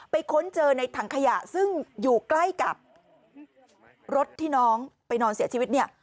ค้นเจอในถังขยะซึ่งอยู่ใกล้กับรถที่น้องไปนอนเสียชีวิตเนี่ย